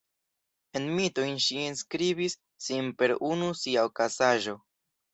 En mitojn ŝi enskribis sin per unu sia okazaĵo.